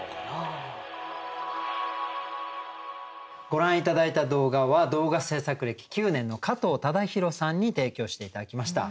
ご覧頂いた動画は動画制作歴９年の加藤忠宏さんに提供して頂きました。